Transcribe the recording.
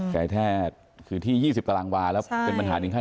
แก่แทดคือที่๒๐ตารางบาลแล้วเป็นปัญหาหนึ่งค่ะ